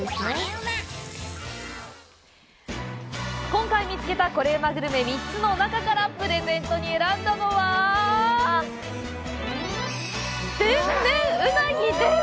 今回見つけたこれうまグルメ３つの中からプレゼントに選んだのは天然うなぎです！